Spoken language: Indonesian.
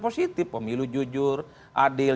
positif pemilu jujur adil